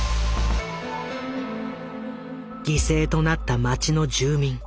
犠牲となった町の住民